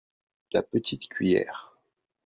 La petie cuillère.